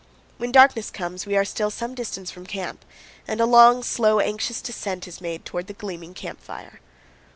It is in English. When darkness comes we are still some distance from camp, and a long, slow, anxious descent is made toward the gleaming camp fire.